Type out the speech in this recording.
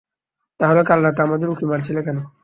তাহলে কাল রাতে আমাদের উঁকি মারছিলে কেন?